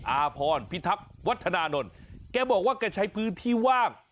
อาพรพิทักษ์วัฒนานนท์แกบอกว่าแกใช้พื้นที่ว่าง